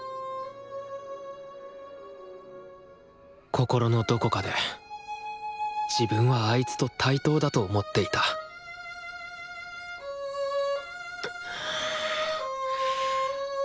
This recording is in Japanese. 心のどこかで自分はあいつと対等だと思っていたくっ。